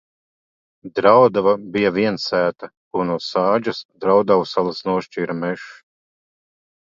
Draudava bija viensēta, ko no sādžas Draudavsalas nošķīra mežs.